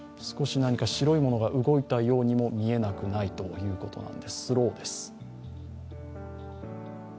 少し何か白いものが動いたように見えなくもないということです。